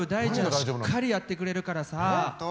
しっかりやってくれるからさ。